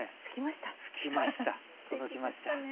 吹きました？